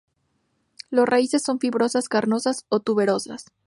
Las raíces son fibrosas, carnosas o tuberosas.